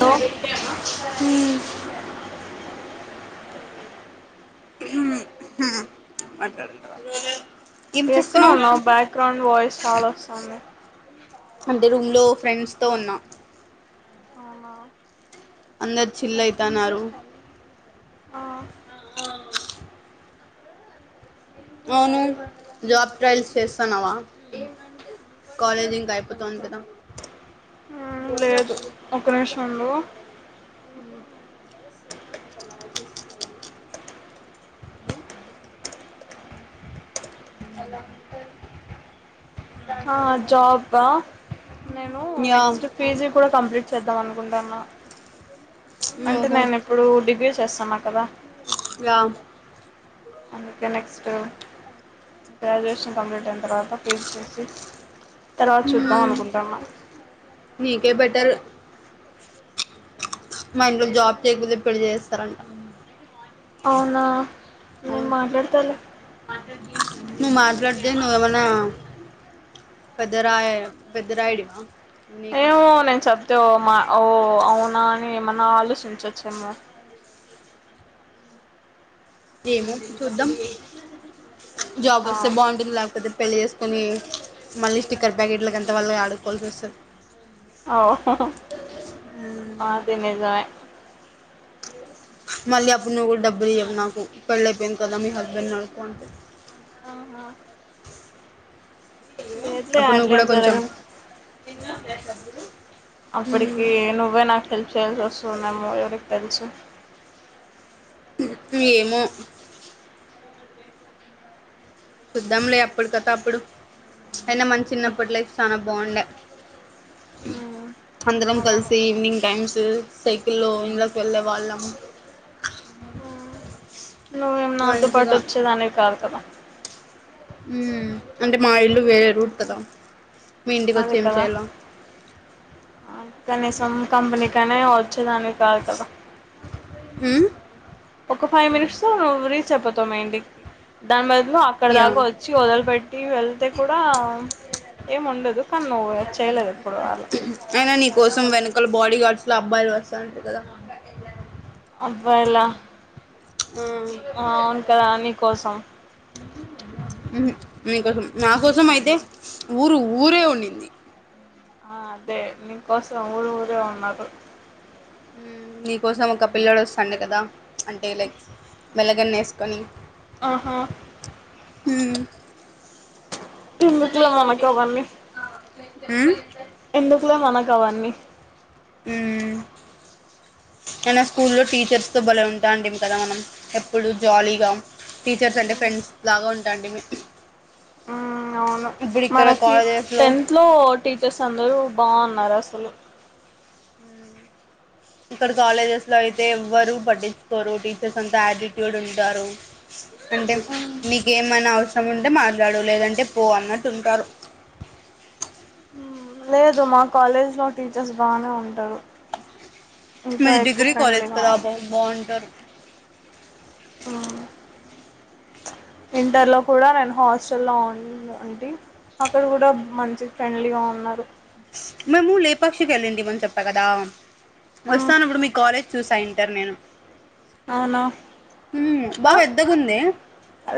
Hello హు బట్టర్ ఎక్కడున్నవ్ బ్యాక్ గ్రౌండ్ వాయిస్ చాలా వసుంది. అంటే రూమ్ లో ఫ్రెండ్స్ తో ఉన్నా ఆహా అందర్ చిల్ అయితన్నారు. ఆ అవును జాబ్ ట్రయల్స్ చేస్తానవా కాలేజ్ ఇంకా అయిపోతాంది కదా హుమ్ లేదు ఒక నిమిషం ఉండు. ఎలా ఉంటర్. ఆ జాబా నేను యా నెక్స్ట్ పిజి కూడా కంప్లీట్ చేద్దాం అనుకుంటానా. అంటే నేను ఇప్పుడు డిగ్రీ చేస్తన్న కదా. యామ్ అందుకే నెక్సట్టు గ్రాడ్యుయేషన్ కంప్లీట్ అయిన తర్వాత పీజ్ చేసి తర్వాత చూద్దాం హ్మ్ అనుకుంటానా నీకే బెటర్ మా ఇంట్లో జాబ్ చేయకపోతే పెళ్ళి చేస్తారంట. అవునా నేన్ అవును మాట్లాడతాలే నువ్వు మాట్లాడితే నువ్వేవాన్నా పెద్దరాయే పెద్దరాయుడివా చూనికి తోమా ఓ అవునా అని ఏమన్నా ఆలోచించొచ్చేమో ఏమో వచ్చి చూద్దాం. జాబ్ వస్తే బావుంటుంది లేకపోతే పెళ్ళి చేసుకొని మళ్ళీ స్టిక్కర్ ప్యాకెట్లలకు ఎంత వాళ్ళి ఆడుకోవాల్సి వస్తది. ఓ హ్మ్ అది నిజమే మళ్ళీ అప్పుడు నువ్వు కూడా డబ్బులు ఇయ్యవు నాకు పెళ్ళయిపోయింది కదా మీ హస్బెండ్ నీ అడుక్కో అంటది ఆహా లేదులే అప్పుడు నువ్వు కూడా అట్లేం కొంచెం జరగదు మ్ అప్పటికి నువ్వే నాకు హెల్ప్ చేయాల్సి వస్తుందేమో ఎవరికి తెలుసు ఏమో చూద్దాం లే అప్పుడు కథ అప్పుడు అయినా మన చిన్నప్పటి లైఫ్ చాలా బాగుండే ఉమ్ అందరం అవును కలిసి ఈవినింగ్ టైమ్స్ సైకిల్లో ఇంలోకి వెళ్ళే వాళ్ళం ఉమ్, నువ్వేం నాతో పాటు మంచిగా వచ్చేదానివి కాదు కదా అంటే మా ఇల్లు వేరే రూట్ కదా మీ ఇంటికి వచ్చి అదే ఏమి కదా చేయల్ల కనీసం కంపెనీకి అయినా వచ్చేదానివి కాదు కదా మ్ ఒక ఫైవ్ మినిట్స్లో నువ్వు రీచ్ అయిపోతావ్ మా ఇంటికి దాని బాదు అక్కడ యా దాకా వచ్చి వదలిపెట్టి వెళ్తే కూడా ఏం ఉండదు కానీ నువ్వు చేయలేదు ఎప్పుడు అలా అయినా నీ కోసం వెనకాల బాడీ గార్డ్స్ లో అబ్బాయిలు వస్తారంట కదా అబ్బాయిలా ఆ అవును కదా నీ కోసం ఉహూ నీకోసం నా కోసం అయితే ఊరు ఊరే ఉన్నింది ఆ అదే నీకోసం ఊరు ఊరే ఉన్నారు ఉమ్ నీకోసం ఒక పిల్లోడు వస్తాండే కదా ప్చ్ అంటే లైక్ మెల్లకన్ను వేసుకొని ఆహా ఉమ్ ఎందుకులే మనకు అవన్నీ ఉమ్ ఎందుకులే మనకు అవన్నీ ఉమ్ అయిన స్కూల్లో టీచర్స్ తో భలే ఉంటాంటిమి కదా మనం ఎప్పుడు జాలీగా టీచర్స్ అంటే ఫ్రెండ్స్ లాగా ఉంటాంటిమి ఆ అవును ఇప్పుడు ఇక్కడ మనకి కాలేజెస్లో టెన్త్ లో టీచర్స్ అందరూ బాగున్నారు అసలు ఉమ్ ఉ ఇక్కడ కాలేజెస్ లో అయితే ఎవరు పట్టించుకోరు టీచర్స్ అంత యాటిట్యూడ్ ఉంటారు అంటే నీకేమన్నా అవసరం ఉంటే మాట్లాడు లేదంటే పో అన్నట్టు ఉంటారు లేదు మా కాలేజ్లో టీచర్స్ బానే ఉంటారు ఇంకా మాది ఎక్కువ డిగ్రీ కాలేజ్ ఫ్రెండ్లీగా కదా బా ఉంది బాగుంటారు ఇంటర్ లో కూడా నేను హాస్టల్ లో ఉంటి అక్కడ కూడా మంచి ఫ్రెండ్లీగా ఉన్నారు మేము లేపాక్షికి వెళ్ళింటిమి అని చెప్పా కదా మ్మ్ వస్తాన్నప్పుడు మీ కాలేజ్ చూసా ఇంటర్ నేను అవునా బా ఆ పెద్దగుందే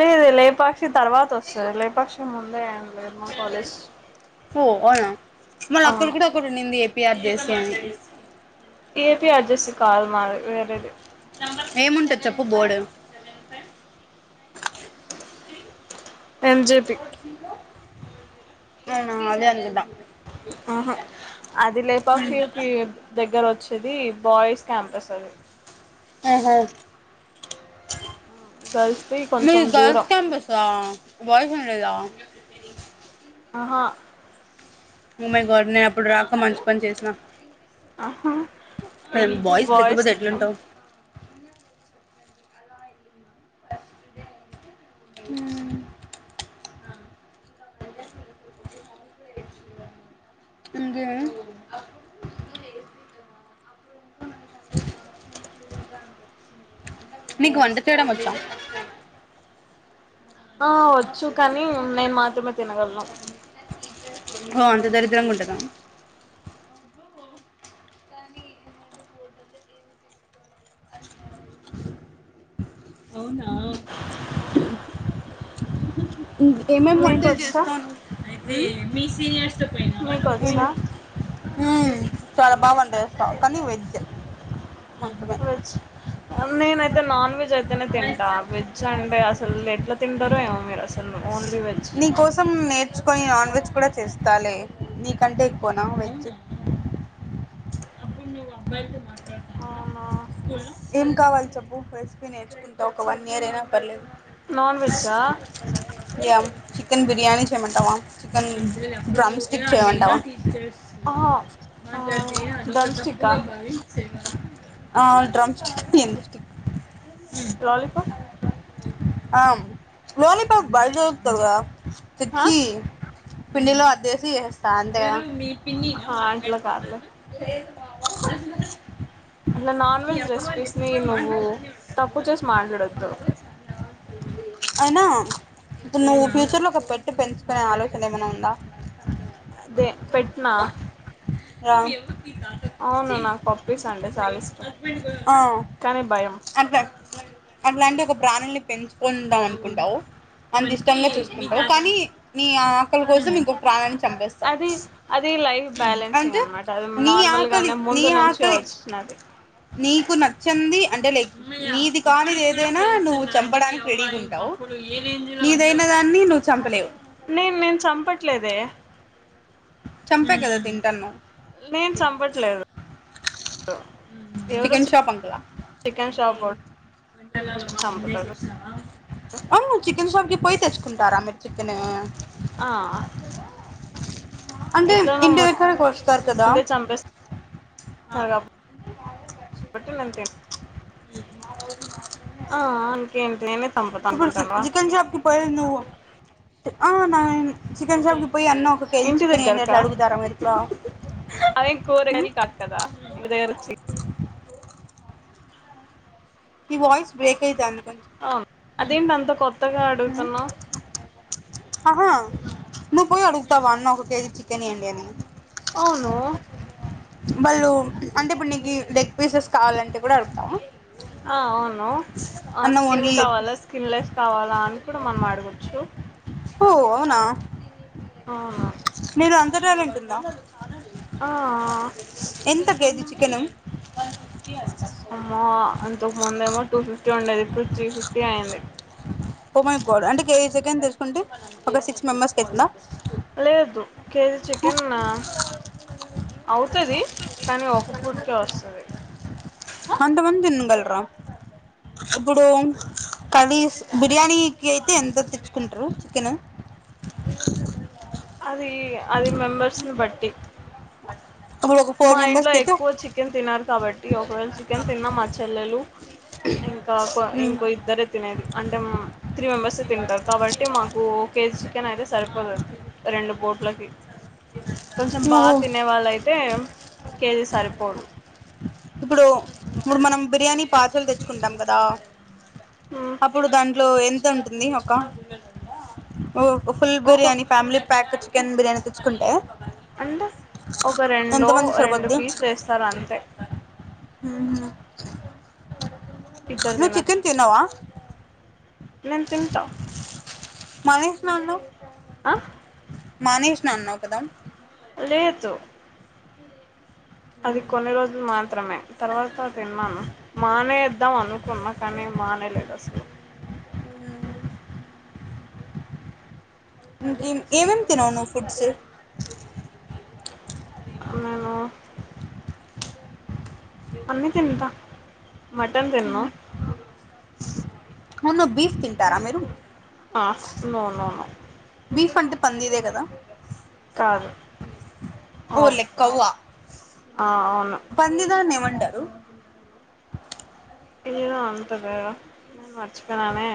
లేదు లేపాక్షి తర్వాత వస్తది లేపాక్షి ముందే లేదు మా కాలేజ్ ఓ అవునా మళ్ళ అక్కడ అవును కూడా ఒకటి ఉన్నింది ఏపీఆర్ జేసీ పాంటీ ఏపిఆర్జేసి కాదు మాది వేరేది ఏముంటది చెప్పు బోర్డు ఏమ్ జే అవునా అదే అనుకుంటా ఆహా అది లేపాక్షికి దగ్గర వచ్చ వచ్చేది బాయ్స్ క్యాంపస్ అది అహా గర్ల్స్ కి కొంచెం మీది గర్ల్స్ దూరం క్యాంపసా బాయ్స్ ఏం లేదా అహా ఓ మై గాడ్ నేను అప్పుడు రాక మంచి పని చేసినా. ఏం బాయ్స్ లేకపోతే ఎట్లుంటవు. హ్మ్ ఇంకే మీకు వంట చేయ్యడం వచ్చా ఆ వచ్చు కానీ నేను మాత్రమే తినగలను. ఓ అంత దరిద్రంగుంటదా. అవునా ఏమేం వంటలు మీకొచ్చా చేస్తారు మీకొచ్చా హ్మ్ చాలా బాగ వంట చేస్తా కానీ వెజ్ మంచమే వెజ్ నేనైతే నాన్ వెజ్ అయితేనే తింటా వెజ్ అంటే అసలు ఎట్లా తింటారు ఏమో మీరు అసలు ఓన్లీ వెజ్ నీ కోసం నేర్చుకొని ఆన్ న్ వేజ్ కూడా చేస్తాలే నీకంటే ఎక్కువనా వెజ్. అవునా ఏం కావాలి చెప్పు రెసిపి నేర్చుకుంటా ఒక వన్ ఇయర్ అయినా పర్లేదు. నాన్ వెెజా యా చికెన్ బిర్యానీ చేయమంటావా చికెన్ బ్రమ్స్ చేయమంటవా డ్రమ్ స్టికా డ్రమ్ స్ స్క్ లాలిపప్ ఆ లాలీపప్ బయట చెత్తరుగా పిచ్చి పిండిలో అద్దసి చేస్తా అంతే ఆహా అట్లా కాదులే అట్లా నాన్ ఈ వెజ్ రెసిపీస్ని అబ్బవప్పుప్పుడు మ నువ్వు తక్కువ చేసి మాట్లాడొద్దు ఆ అయినా ఇప్పుడు నువ్వు ఫ్యూచర్ లో ఒక పెట్ పెంచుకునే ఆలోచన ఏమైనా ఉందా. అదే పెట్నా రా ఆ కానీ భయం అట్లాంటి ఒక ప్రాణుల్ని పెంచుకుందాం అనుకుంటావు. అంత ఇష్టంగా చూసుకుంటారు కానీ నీ ఆకలి కోసం ఇంకొ ప్రాణా న్ని చంపేస్తావు అది అది లైఫ్ బ్యాలెన్సింగ్ అంటే అనమాట అది నీ ఆక నార్మల్గానే నీ ముందు నుంచి ఆకలి వచ్చినది నీకు నచ్చని ంది అంటే నీది కాని ఏదైనా నువ్వు చంపడానికి రెడీగా ఉంటావు. దైన దాన్ని నువ్వు చంపలేవు. నేన్ నేను చంపట్లేదే చంపే కదా తింటానవ్. నేను చంపట్లేదు ఎవరో చికెన్ షాప్ అంకులా చికెన్ షాపోడు చంపుతాడు అవును చికెన్ షాప్కి పోయి తెచ్చుకుంటారా మీరు చికెన్ ఆ [inaudible] అంటే ఇంటి దగ్గర కోస్తారు కదా వాటి మంత్ ఎండ్ హ అంతే ఎట్లయినా పుడు చికెన్ షాప్ కి పోయిండు ఆహా మా అయి చికెన్ షాప్ కి పోయిండు పోయి అన్న ఒక కేజీ ఇంటి చికెన్ ఎయ్యండి అని అడుగుతారా మీరు ఇంట్లో అదేం కూరగాయలు కాదు కదా అదే రుచి మీ వాయిస్ బ్రేక్ అయితాంది అవును అదేంటి అంత కొత్తగా అడుగుతున్నావ్ ఆహా ను పోయి అడుగుతావా అన్నా ఒక కేజీ చికెన్ ఇయండి అని అవును వాళ్ళు అంటే ఇప్పుడు నీకు లెగ్ పీసెస్ కావాలంటే కూడా అడుగుతావా ఆ అవును ఆ స్కిన్ ఓన్లీ లెగ్ కావాలా పీస్ స్కిన్ లెఫ్ కావాలా అని కూడా మనం ఆడగవచ్చు ఓ అవునా ఆ మీలో అంత టాలెంట్ ఉందా ఆ ఎంత కేజీ చికెన వన్ ఫఫ్టీ అమ్మ అంతకుముందేమో టూ ఫిఫ్టీ ఉండేది ఇప్పుడు త్రీ ఫిఫ్టీ అయింది ఎం అయిపోదు అంటే కేజీ చికెన్ తీసుకుంటే ఒక సిక్స్ మెంబర్స్ పెట్టిన లేదు కేజీ చికెన్ అవుతది కానీ ఒక పూటికే వస్తుంది అంతమంది తిినగలరా ఇప్పుడు కార్రీస్ బిర్యానీకి అయితే ఎంత తెచ్చుకుంటారు చికెన్ అది అది మెంబర్స్ని బట్టి ఇప్పుడు ఒక ఫోర్ మా ఇంట్లో మెంబర్స్కి అయితే ఎక్కువ చికెన్ తినరు కాబట్టి ఒకవేళ చికెన్ తిన్నా మా చెల్లెలు ఇంకా ఇంకో ఇద్దరే తినేది అంటే త్రీ మెంబెర్స తింటారు కాబట్టి మాకు ఓ కేజీ చికెన్ అయితే సరిపోతుంది రెండు పుట్లకి కొంచెం బాగా ఓహో తినే వాళ్ళ అయితే కేజీ సరిపోదు ఇప్పుడు ఇప్పుడు మనం బిర్యానీ పార్సెల్ తెచ్చుకుంటాం కదా అప్పుడు దాన్ని ఇ లో ఎంత ఉంటుంది ఒక ఫుల్ ఒక biryani family pack chicken biryani తెచ్చుకుంటే అంటే ఒక ఎంత రెండు మందికి రెండు పీసులు వేస్తారు అంతే ఉమ్ ఇద్దరు నువ్ తినొచ్చు చికెన్ తిన్నావా నేను తింటా మానేసిన అన్నవ్ అ మానేష్ నా అన్నవ్ కదా లేదు అది కొన్ని రోజులు మాత్రమే తర్వాత తిన్నాను మానేద్దాం అనుకున్నా కానీ మానైలేదు అసలు ఏం ఏమేం తినవు నువ్ ఫుడ్స్ నేను అన్నీ తింటా మటన్ తినను మున్ను బీఫ్ తింటారా మీరు ఆ నో నో నో బీఫ్ అంటే పంది ఇదే కదా కాదు హో అవ్ లైక్ కొవ్వా ఆ అవును పంది అంటారు ఆయూ అంటదా నేను మర్చిపోయానే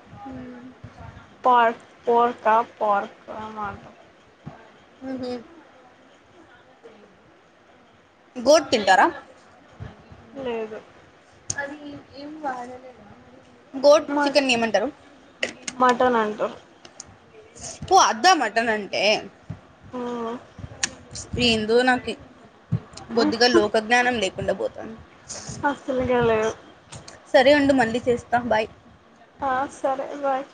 ఉమ్ పార్ పోర్కా పార్కా మాట మ్ హు గోట్ తింటారా? లేదు. అది ఎం ఏం వాడ లేదా మరి? గోడ్ మట్ చికెన్ని ఏమంటారు? మటన్ అంటారు పో అద్దా మటన్ అంటే ఉమ్ ఏందో నాకి బొద్దిగా లోక జ్ఞానం లేకుండా పోతాంది. అస్తులుగా లేవు సరే అండు మండీ చేస్తా బాయ్. ఆ సరే బాయ్.